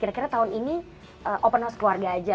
kira kira tahun ini open house keluarga aja